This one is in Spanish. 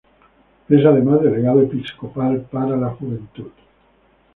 Es además delegado episcopal para la Juventud.